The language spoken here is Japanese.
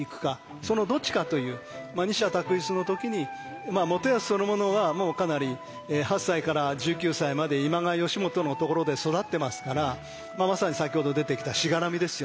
そのどっちかという二者択一の時に元康そのものはもうかなり８歳から１９歳まで今川義元のところで育ってますからまさに先ほど出てきたしがらみですよね。